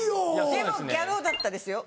でもギャル男だったですよ。